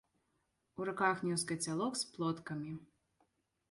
У руках нёс кацялок з плоткамі.